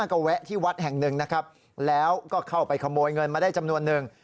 ก็แวะที่วัดแห่งหนึ่งนะครับแล้วก็เข้าไปขโมยเงินมาได้จำนวนนึง